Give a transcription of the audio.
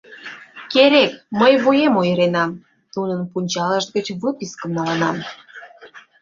Керек, мый вуем ойыренам: нунын пунчалышт гыч выпискым налынам.